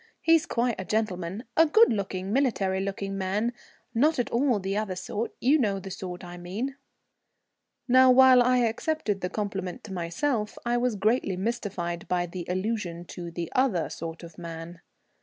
He's quite a gentleman, a good looking military looking man, not at all the other sort you know the sort I mean." Now while I accepted the compliment to myself, I was greatly mystified by the allusion to the "other sort of man."